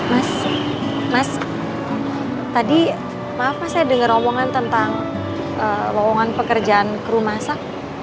mas mas tadi maaf mas saya dengar omongan tentang lowongan pekerjaan kru masak